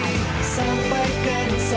sampaikan salam untuknya dari hatiku